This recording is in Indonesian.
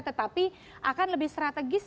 tetapi akan lebih strategis